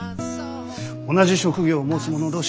同じ職業を持つ者同士